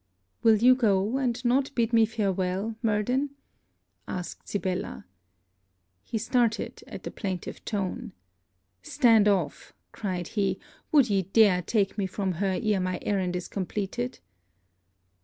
'Will you go, and not bid me farewel, Murden?' asked Sibella. He started at the plaintive tone. 'Stand off!' cried he, 'would ye dare take me from her ere my errand is completed?'